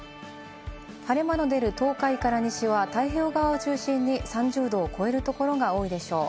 晴れ間の出る東海から西は太平洋側を中心に３０℃を超えるところが多いでしょう。